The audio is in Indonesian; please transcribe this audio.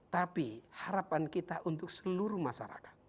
tapi harapan kita untuk seluruh masyarakat